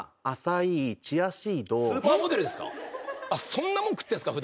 そんなもん食ってんすか？